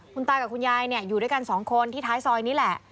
คุณตากับคุณยายอยู่ด้วยกันสองคนที่ท้ายซอยนี้แหละ